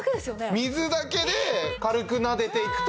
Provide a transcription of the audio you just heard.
水だけで軽くなでていくと。